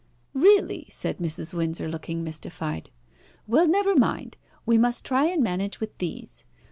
"Really!" said Mrs. Windsor, looking mystified. "Well, never mind, we must try and manage with these.